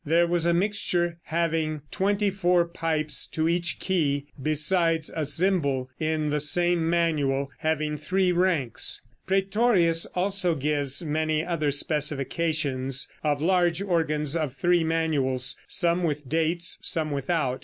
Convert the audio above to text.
There was a mixture having twenty four pipes to each key, besides a "zimbel" in the same manual, having three ranks. Prætorius also gives many other specifications of large organs of three manuals, some with dates, some without.